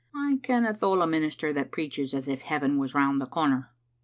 I canna thole a minister that preaches as if heaven was round the comer."